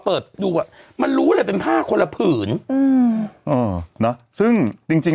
เปิดดูอ่ะมันรู้เลยเป็นผ้าคนละผืนอืมเออนะซึ่งจริงจริง